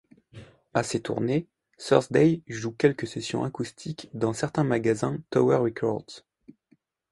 À ces tournées, Thursday joue quelques sessions acoustiques dans certains magasins Tower Records.